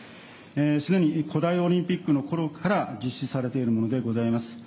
すでに古代オリンピックのころから実施されているものでございます。